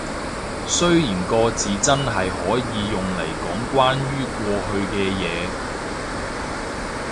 雖然個咗字真係可以用嚟講關於過去嘅嘢